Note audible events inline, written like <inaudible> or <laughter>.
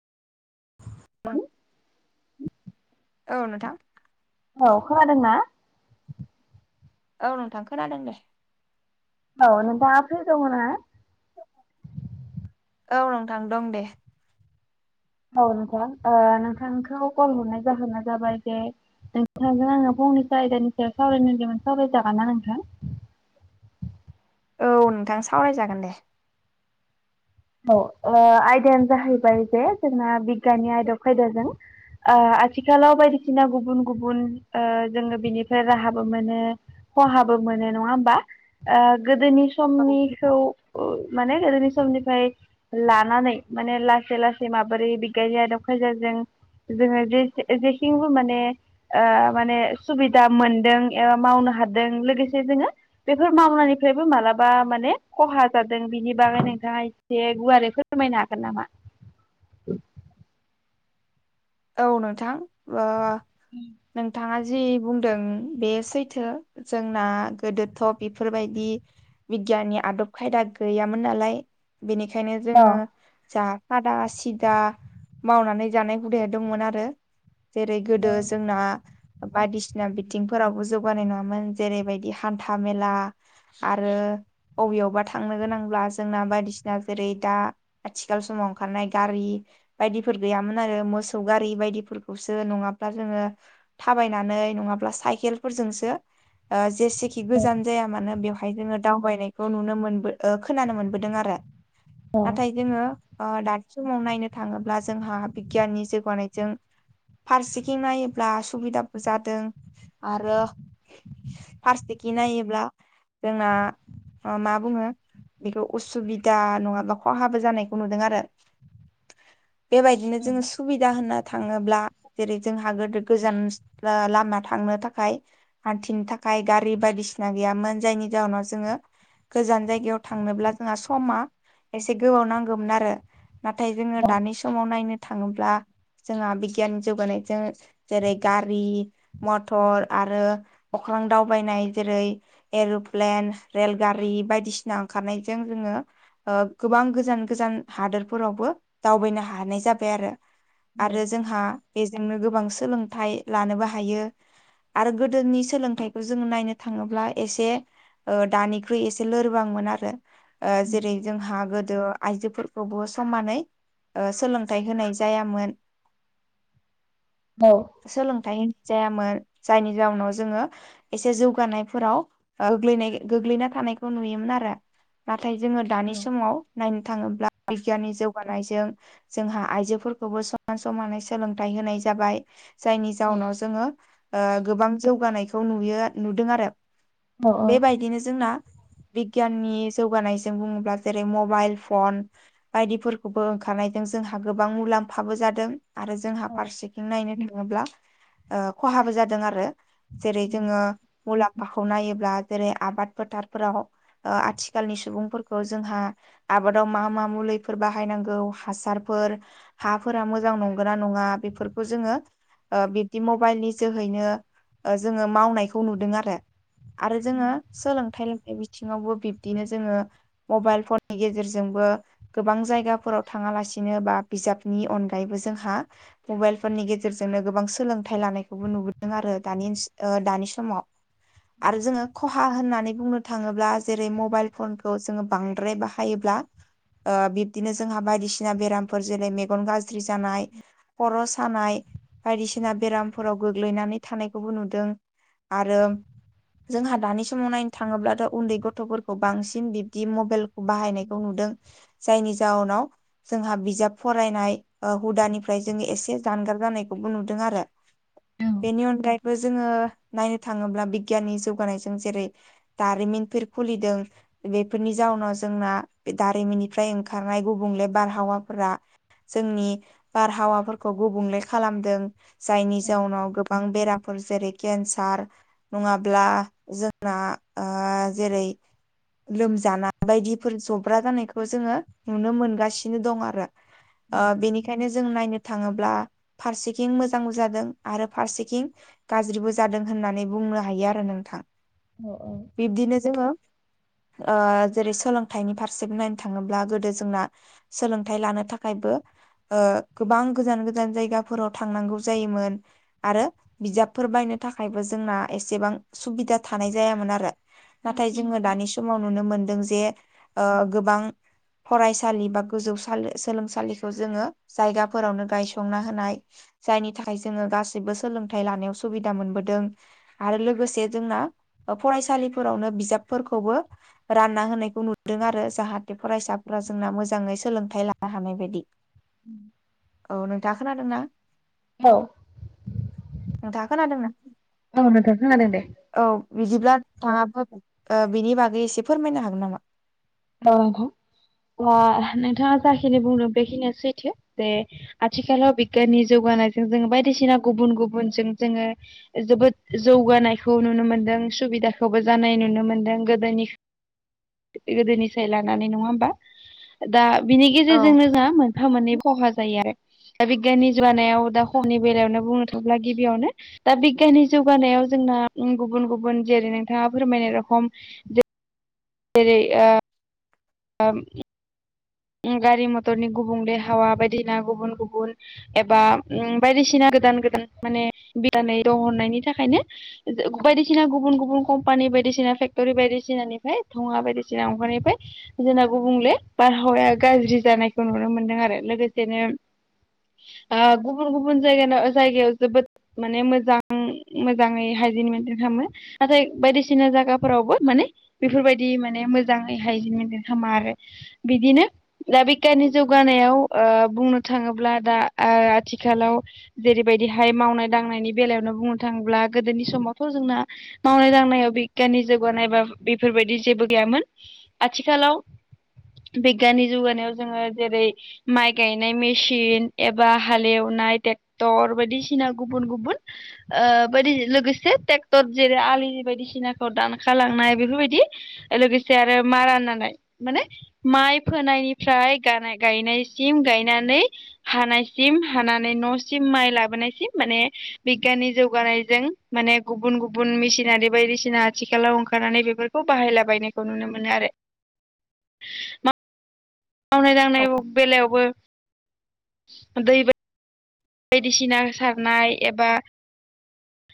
औ नोंथां औ खोनादोंना? औ नोंथां खोनादों दे औ नोंथाङा फ्रि दङना? औ नोंथां दं दे औ नोंथां नोंथांखौ कल हरनाय जाहोना जाबाय जे नोंथांजों आङो फंनैसो आयदानि सायाव सावरायनोदोंमोन सावरायजागोन ना नोंथां औ नोंथां सावरायजागोन दे औ आयदायानो जाहैबाय जे जोंना बिगियाननि आयदब खायदाजों ओ आथिखालाव बायदिसिना गुबुन गुबुन जोङो बिनिफ्राय राहाबो मोनो खहाबो मोनो नङा होमबा गोदोनि औ समनिखौ माने गोदोनि समनिफ्राय लानानै माने लासै लासै माबोरै बिगियाननि आदब खायदाजों जोङो जे जेथिंबो माने माने सुबिदा मोनदों एबा मावनो हादों लोगोसे जोङो बेफोर मावनायनिफ्रायबो मालाबा माने खहा जादों बिनि बागै नोंथाङा दे गुवारै फोरमायनो हागोन नामा? औ नोंथां उम नोंथाङा जि बुंदों बे सैथो जोंना गोदोथ' बेफोरबायदि बिगियाननि आदब खायदा गैयामोन नालाय बेनिखायनो अ जोङो ज खादा सिदा मावनानै जानाय हुदै दंमोन आरो जेरै औ गोदो जोंना बायदिसिना बिथिंफोरावबो जौगानाय नङामोन जेरैबायदि हान्था मेला आरो अबेयावबा थांनो गोनांब्ला जोंना बायदिसिना जेरै दा आथिखाल समाव ओंखारनाय गारि बायदिफोर गैयामोन आरो मो सौगारि बायदिफोरखौसो नङाब्ला जोंङो थाबायनानै नङाब्ला साइकेलफोरजोंसो जेसेखि गोजान जाया मानो बेव बाय जोंङो दावबायनायखौ नुनो मोन खोनानो मोनबोदों आरो नाथाय जोंङो ओ दानि समाव नायनो थाङोब्ला जोंहा बिगियाननि जौगानायजों फारसेथिं नायोब्ला सुबिदाबो जादों आरो फार्सेखि नायोब्ला जोंना मा बुङो बेखौ उसुबिदा नङाब्ला खहाबो जानायखौ नुदों आरो। बेबायदिनो जोंङो सुबि मा होननो थाङोब्ला जेरै जोंहा गोदो गोजान लामा थांनो थाखाय हान्थिनो थाखाय गारि बायदिसिना गैयामोन जायनि जाहोनाव जोंङो गोजान जायगायाव थांनोब्ला जोंहा समा एसे गोबाव नांगौमोन आरो। नाथाय जोंङो औ दानि समाव नायनो थाङोब्ला जोंहा बिगियान जौगानायजों जेरै गारि मथर आरो अख्रां दावबायनाय जेरै एर'प्लेन रेलगारि बायदिसिना ओंखारनायजों जोंङो ओ गोबां गोजान गोजान हादोरफोरावबो दावबायनो हानाय जाबाय आरो। आरो जोंहा बेजोंनो गोबां सोलोंथाइ लानोबो हायो। आरो गोदोनि सोलोंथाइखौ जोङो नायनो थाङोब्ला एसे दानिख्रुइ एसे लोरबांमोन आरो जेरै जोंहा गोदो आइजोफोर खौबो समानै सोलोंथाइ होनाय जायामोन। औ सोलोंथाइ जायामोन जायनि जाउनाव जोंङो एसे जौगानायफोराव गोगलैनाय गोग्लैना थानायखौ नुयोमोन आरो। नाथाय जोंङो दानि समाव नायनो थाङोब्ला बिगियाननि जौगानायजों जोंहा आइजोफोरखौबो समान समानै सोलोंथाइ होनाय जाबाय जायनि जाउनाव जोंङो गोबां जौगानायखौ नुयो नुदों आरो औ बेबायदिनो जोंना बिगियाननि जौगानायजों बुङोब्ला जेरै मबाइल फन बायदिफोरखौबो ओंखारनायजों जोंहा गोबां मुलाम्फाबो जादों। आरो जोंहा फारसेथिं नायनो थाङोब्ला खहाबो जादों आरो। जेरै जोंङो मुलाम्फाखौ नायोब्ला जेरै आबाद फोथारफोराव ओ आथिखालनि सुबुंफोरखौ जोंहा आबादाव मा मा मुलिफोर बाहायनांगौ हासारफोर हाफोर हा फोरा मोजां नंगोन ना नङा बेफोरखौ जोंङो ओ बिब्दि मबाइलनि जोहैनो जोंङो मावनायखौ नुदों आरो। आरो जोंङो सोलोंथाइ लोंथायाइ बिथिङावबो बिब्दिनो जोंङो मबाइल फन नि गेजेरजोंबो गोबां जायगाफोराव थाङालासिनो बा बिजाबनि अन फ्रायबो जोंहा मबाइलफोरननि गेजेरजोंनो गोबां सोलोंथाइ लानायखौबो नुबोदों आरो दानि दानि समाव आरो जोंङो खहा होननानै बुंनो थाङोब्ला जेरै मबाइल फनखौ जोंङो बांद्राय बाहायोब्ला बिब्दिनो जोंहा बायदिसिना बेरामफोर जेरै मेगन गाज्रि जानाय खर' सानाय बायदिसिना बेरामफोराव गोग्लैनानै थानायखौबो नुदों। आरो जोंहा दानि समाव नायनो थाङोब्लाथ' उन्दै गथ'फोरखौ बांसिन बिब्दि मबाइल बाहायनायखौ नुदों जायनि जाउनाव जोंहा बिजाब फरायनाय हुदानिफ्राय जोंङो एसे जानगार जानायखौबो नुदों आरो। बेनि अनगायैबो जोंङो नायनो थाङोब्ला बिगियाननि जौगानायजों जेरै दारिमिनफोर खुलिदों। बेफोरनि जाउनाव जोंना दारिमिननिफ्राय ओंखारनाय गुबुंले बारहावाफोरा जोंनि बारहावाफोरखौ गुबुंले खालामदों जायनि जाउनाव गोबां बेराम फोर जेरै केन्सार नङाब्ला जोंना ओ जेरै लोमजाना <inaudible> बायदिफोर जब्रा जानायखौ जोङो नुनो मोनगासिनो दं आरो। ओ बेनिखायनो जों नायनो थाङोब्ला फारसेखिं मोजां जादों आरो फारसेखिं गाज्रिबो जादों होननानै बुंनो हायो आरो नोंथां। अ औ। बिब्दिनो जोङो ओ जेरै सोलोंथाइनि फारसे नायनो थाङोब्ला गोदो जोंना सोलोंथाइ लानो थाखायबो ओ गोबां गोजान गोजान जायगाफोराव थांनांगौ जायोमोन। आरो बिजाबफोर बायनो थाखायबो जोंना एसेबां सुबिदा थानाय जायामोन आरो। नाथाय जोङो दानि समाव नुनो मोनदों जे ओ गोबां फरायसालि बा गोजौ सालि सोलोंसालि खौ जोङो जायगाफोरावनो गायसंना होनाय जायनि थाखाय जोङो गासिबो सोलोंथाइ लानायाव सुबिदा मोनबोदों। आरो लोगोसे जोंना फरायसालिफोरावनो बिजाबफोरखौबो रानना होनायखौ नुदों आरो जाहाथे फरायसाफोरा जोंना मोजाङै सोलोंथाइ लानो हानाय बायदि। उम। औ नोंथाङा खोनादों ना? औ। नोंथाङा खोनादोंना? औ नोंथां खोनादों दे। औ बिदिब्ला थाङाबो ओ बिनि बागै एसे फोरमायनो हागोन नामा? औ नोंथां। ओ नोंथाङा जाखिनि बुंदों बेखिनिया सैथो जे आथिखालाव बिगियाननि जौगानायजों जोङो बायदिसिना गुबुन गुबुनजों जोङो जोबोद जौगानायखौ नुनो मोनदों सुबिदाखौबो जानाय नुनो मोनदों। गोदोनि गोदोनि साय लानानै, नङा होमबा? दा बिनि गेजेरजोंनो जोंहा मोनफा मोननै खहा जायो आरो। दा बिगियाननि जौगानायाव दा हमनि बेलायावनो बुंनो थाब्ला गिबियावनो दा बिगियाननि जौगानायाव जोंना गुबुन गुबुन जेरै नोंथाङा फोरमायनाय रखम जेरै ओ ओम उम गारि मथरनि गुबुंले हावा बायदिना गुबुन गुबुन एबा उम बायदिसिना गोदान गोदान माने बिदानै दंहनायनि थाखायनो दो बायदिसिना गुबुन गुबुन कम्पानि बायदिसिना फेक्ट'रि बायदिसिनानिफ्राय धुङा बायदिसिना अंखारनिफ्राय जोंना गुबुंले बारहावाया गाज्रि जानायखौ नुनो मोनदों आरो। लोगोसेनो आ गुबुन गुबुन जायगानो जायगायाव जोबोद माने मोजां मोजाङै हाइजेन मेन्टेन खालामो। नाथाय बायदिसिना जागाफोरावबो माने बेफोरबायदि माने मोजाङै हायजेन मन्टेन खामा आरो। बिदिनो दा बिगियाननि जौगानायाव ओ बुंनो थाङोब्ला दा ओ आथिखालाव जेरैबायदिहाय मावनाय दांनायनि बेलायावनो बुंनो थाङोब्ला गोदोनि समावथ' जोंना मावनाय दांनायाव बिगियाननि जौगानायबा बेफोरबायदि जेबो गैयामोन। आथिखालाव बिगियाननि जौगानायाव जोङो जेरै माइ गायनाय मेचिन एबा हालेवनाय टेष्ट टर बायदिसिना गुबुन गुबुन ओ बायदि लोगोसे टेक्टर जेरै आलिनि बायदिसिनाखौ दानखालांनाय बेफोरबायदि लोगोसे आरो मारा नानाय माने माइ फोनायनिफ्राय गानाय गायनायसिम गायनानै हानायसिम हानानै न'सिम माइ लाबोनायसिम माने बिगियाननि जौगानायजों माने गुबुन गुबुन मेसिनारि बायदिसिना आथिखालाव ओंखारनानै बेफोरखौ बाहायलाबायनायखौ नुनो मोनो आरो। मावनाय औ दांनाय ब बेलायावबो दै बा बायदिसिना सारनाय एबा